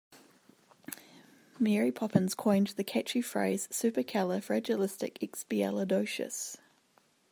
Mary Poppins coined the catchy phrase Supercalifragilisticexpialidocious.